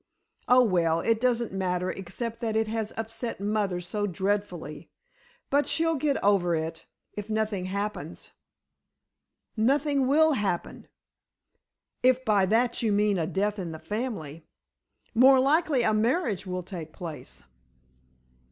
"Oh, well, it doesn't matter, except that it has upset mother so dreadfully. But she'll get over it—if nothing happens." "Nothing will happen—if by that you mean a death in the family. More likely a marriage will take place!"